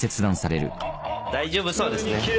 大丈夫そうですね。